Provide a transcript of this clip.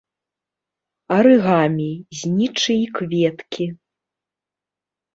Арыгамі, знічы і кветкі.